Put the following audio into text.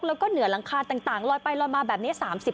แล้วก็เหนือหลังคาต่างลอยไปลอยมาแบบนี้